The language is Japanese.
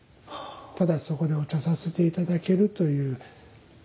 ただそこでお茶させて頂けるという。